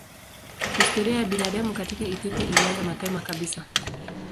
Historia ya binadamu katika Ethiopia ilianza mapema kabisa.